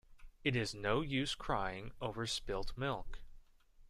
It is no use crying over spilt milk.